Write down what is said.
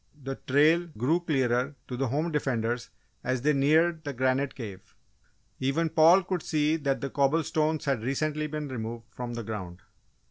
The trail grew clearer to the "home defenders" as they neared the granite cave; even Paul could see that cobble stones had recently been removed from the ground.